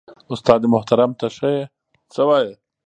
استاد محترم ته ښه يې؟